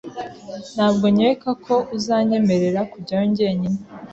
Ntabwo nkeka ko uzanyemerera kujyayo jyenyine.